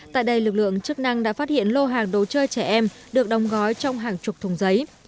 tại đây lực lượng chức năng đã phát hiện lô hàng đồ chơi trẻ em được đóng gói trong hàng chục thùng giấy